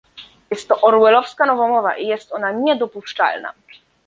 Jest to orwellowska nowomowa i jest ona niedopuszczalna